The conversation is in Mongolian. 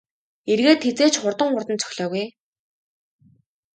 Эргээд хэзээ ч хурдан хурдан цохилоогүй ээ.